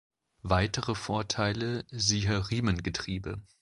Weitere Vorteile siehe Riemengetriebe.